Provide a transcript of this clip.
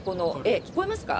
聞こえますか？